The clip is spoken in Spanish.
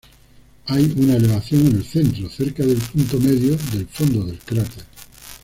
Hay una elevación en el centro, cerca del punto medio del fondo del cráter.